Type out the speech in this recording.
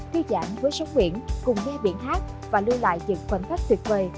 thư giãn với sóng biển cùng nghe biển hát và lưu lại những khoảnh khắc tuyệt vời